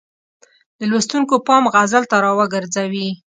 د لوستونکو پام غزل ته را وګرځوي.